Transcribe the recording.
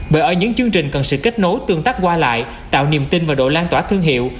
bởi ở những chương trình cần sự kết nối tương tác qua lại tạo niềm tin và độ lan tỏa thương hiệu